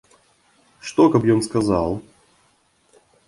Што, каб ён сказаў?